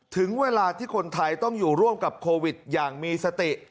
ถึงเวลาที่คนไทยต้องอยู่ร่วมกับโควิดอย่างมีสติ